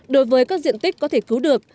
đối với các diện tích có thể khóa